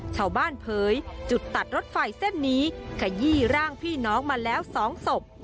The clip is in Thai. เผยจุดตัดรถไฟเส้นนี้ขยี้ร่างพี่น้องมาแล้ว๒ศพ